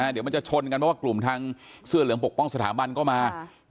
เดี๋ยวมันจะชนกันเพราะว่ากลุ่มทางเสื้อเหลืองปกป้องสถาบันก็มา